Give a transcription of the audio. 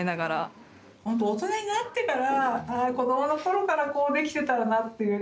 ほんと大人になってからこどもの頃からこうできてたらなっていう。